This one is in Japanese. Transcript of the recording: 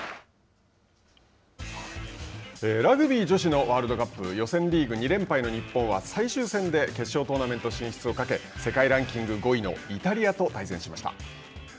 ラグビー女子のワールドカップ予選リーグ２連敗の日本は最終戦で決勝トーナメント進出をかけ世界ランキング５位のイタリアと対戦しました。